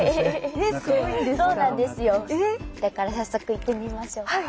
早速行ってみましょう。